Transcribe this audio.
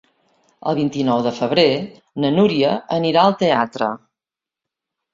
El vint-i-nou de febrer na Núria anirà al teatre.